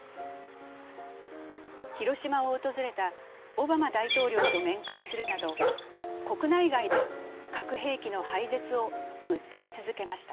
広島を訪れたオバマ大統領と面会するなど国内外で核兵器の廃絶を訴え続けました。